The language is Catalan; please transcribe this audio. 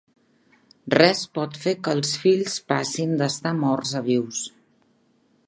Res pot fer que els fills passin d'estar morts a vius.